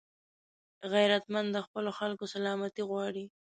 غیرتمند د خپلو خلکو سلامتي غواړي